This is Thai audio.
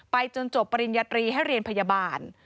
จนจบปริญญาตรีให้เรียนพยาบาล